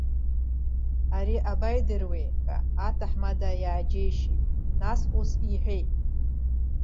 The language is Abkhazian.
Ари абаидыруеи ҳәа аҭаҳмада иааџьеишьеит, нас ус иҳәеит.